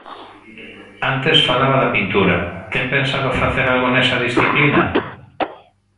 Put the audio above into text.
Antes falaba da pintura, ten pensado facer algo nesa disciplina?